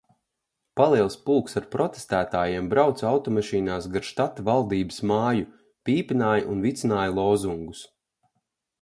Paliels pulks ar protestētājiem brauca automašīnās gar štata valdības māju, pīpināja un vicināja lozungus.